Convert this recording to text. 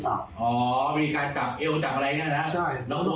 ภาพอ๋อมีการจับเอวจับอะไรอย่างเงี้ยนะใช่แล้วก็ต้อง